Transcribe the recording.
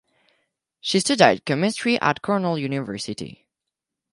She studied chemistry at Cornell University.